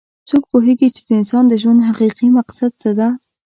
څوک پوهیږي چې د انسان د ژوند حقیقي مقصد څه ده